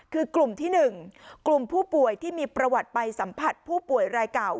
คือกลุ่มที่๑กลุ่มผู้ป่วยที่มีประวัติไปสัมผัสผู้ป่วยรายเก่า